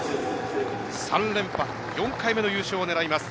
３連覇、４回目の優勝を狙います。